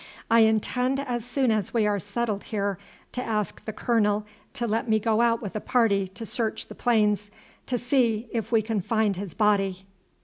I intend as soon as we are settled here to ask the colonel to let me go out with a party to search the plains to see if we can find his body."